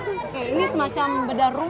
oke ini semacam bedah rumah